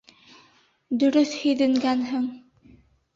Дөрөҫ һиҙенгәнһең.